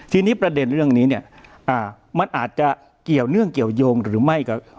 ทีนี้ประเด็นเรื่องนี้เนี่ยมันอาจจะเกี่ยวเนื่องเกี่ยวยงหรือไม่ก็